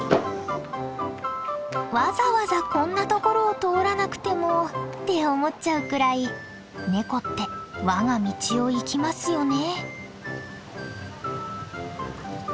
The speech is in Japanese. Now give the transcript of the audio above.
わざわざこんな所を通らなくてもって思っちゃうくらいネコってわが道を行きますよね。